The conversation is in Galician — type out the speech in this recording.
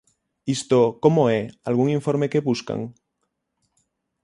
Isto, ¿como é?, ¿algún informe que buscan?